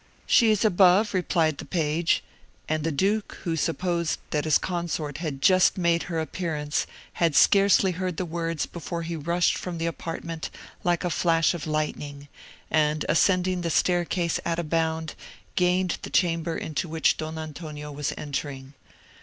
"She is above," replied the page; and the duke, who supposed that his consort had just made her appearance, had scarcely heard the words before he rushed from the apartment like a flash of lightning, and, ascending the staircase at a bound, gained the chamber into which Don Antonio was entering.